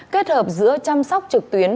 kết hợp giữa chăm sóc trực tuyến